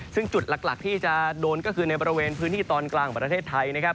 ซึ่งจุดหลักที่จะโดนก็คือในบริเวณพื้นที่ตอนกลางของประเทศไทยนะครับ